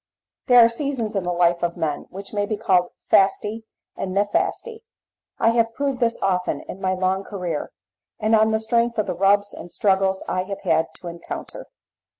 There are seasons in the life of men which may be called 'fasti' and 'nefasti'; I have proved this often in my long career, and on the strength of the rubs and struggles I have had to encounter.